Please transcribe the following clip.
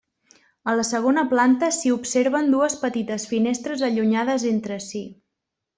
A la segona planta s'hi observen dues petites finestres allunyades entre si.